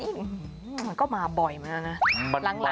อืมก็มาบ่อยมั้ยนะ